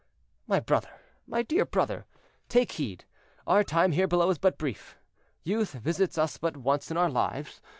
My brother, my dear brother, take heed; our time here below is but brief; youth visits us but once in our lives.